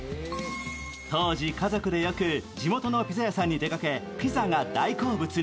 当時、家族でよく地元のピザ屋さんに出かけ、ピザが大好物に。